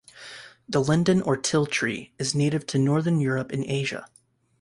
The linden or til tree is native to northern Europe and Asia.